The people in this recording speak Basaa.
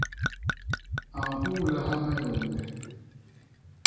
A nhuulaha me hiônde.